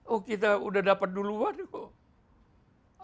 oh kita udah dapat duluan kok